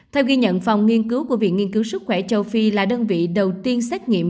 theo ghi nhận phòng nghiên cứu của viện nghiên cứu sức khỏe châu phi là đơn vị đầu tiên xét nghiệm